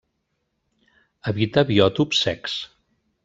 Evita biòtops secs.